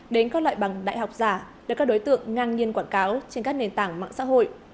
đến các loại bằng đại học giả được các đối tượng ngang nhiên quảng cáo trên các nền tảng mạng xã hội